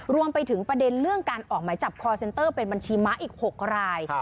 รวมไปถึงประเด็นเรื่องการออกหมายจับคอร์เซ็นเตอร์เป็นบัญชีม้าอีก๖ราย